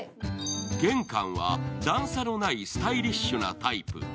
玄関は段差のないスタイリッシュなタイプ。